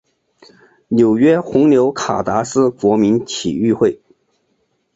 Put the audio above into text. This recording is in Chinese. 纽约红牛卡达斯国民体育会